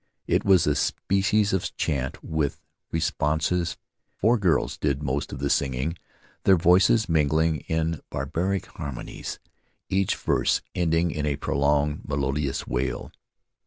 It was a species of chant, with responses; four girls did most of the singing, their voices mingling in barbaric har monies, each verse ending in a prolonged melodious wail.